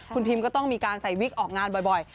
คุณพิมก็ต้องมีการใส่วิกออกงานบ่อย